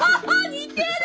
似てる！